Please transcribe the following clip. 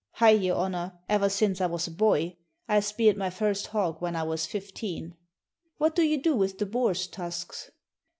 "Hai! your honor, ever since I was a boy. I speared my first hog when I was fifteen." "What do you do with the boar's tusks?"